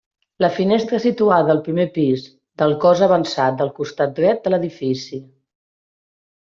La finestra situada al primer pis del cos avançat del costat dret de l'edifici.